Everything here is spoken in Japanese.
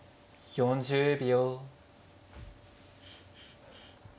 ４０秒。